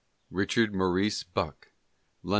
Richard Maurice Bucke: Londo?